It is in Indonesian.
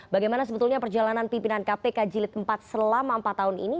bagaimana sebetulnya perjalanan pimpinan kpk jilid empat selama empat tahun ini